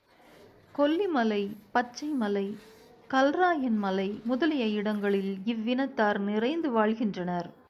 கொல்லி மலை, பச்சை மலை, கல்ராயன் மலை முதலிய இடங்களில் இவ்வினத்தார் நிறைந்து வாழ்கின்றனர்.